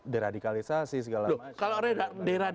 deradikalisasi segala macam